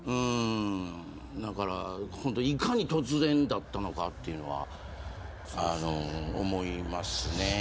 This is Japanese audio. だから、いかに突然だったのかというのは思いますね。